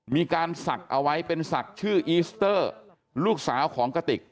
มีการศักดิ์เอาไว้เป็นศักดิ์ชื่ออีสเตอร์ลูกสาวของกติก